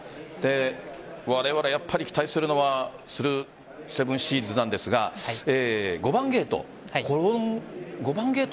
われわれ期待するのはスルーセブンシーズなんですが５番ゲート。